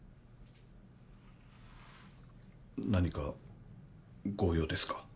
何かご用ですか？